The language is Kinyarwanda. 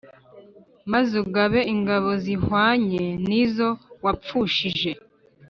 maze ugabe ingabo zihwanye n izo wapfushije